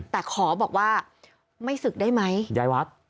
แต่ขอบอกว่าไม่ศึกได้ไหมย้ายวัด